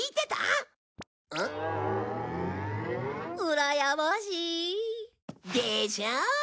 うらやましい。でしょう？